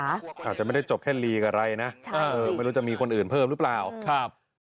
อาจจะไม่ได้จบแค่ลีกับอะไรนะไม่รู้จะมีคนอื่นเพิ่มหรือเปล่าครับ